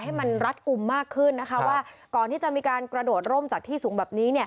ให้มันรัดกลุ่มมากขึ้นนะคะว่าก่อนที่จะมีการกระโดดร่มจากที่สูงแบบนี้